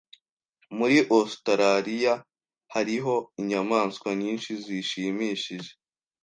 Muri Australiya hariho inyamaswa nyinshi zishimishije.